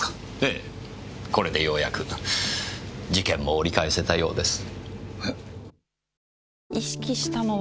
ええこれでようやく事件も折り返せたようです。